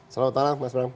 selamat malam mas bram